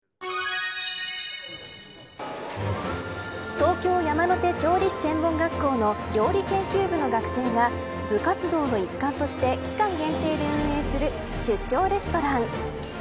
東京山手調理師専門学校の料理研究部の学生が部活動の一環として期間限定で運営する出張レストラン。